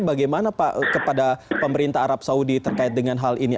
bagaimana pak kepada pemerintah arab saudi terkait dengan hal ini